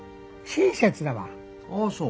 ああそう。